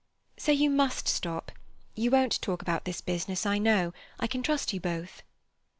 "So you must stop. You won't talk about this business, I know. I can trust you both."